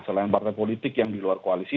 selain partai politik yang diluar koalisi